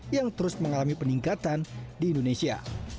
yang terus mengalami peningkatan di indonesia